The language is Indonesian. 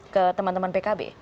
ke teman teman pkb